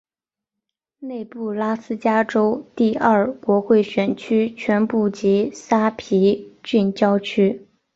内布拉斯加州第二国会选区全部及萨皮郡郊区。